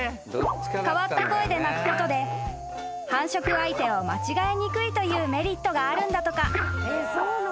［変わった声で鳴くことで繁殖相手を間違えにくいというメリットがあるんだとか］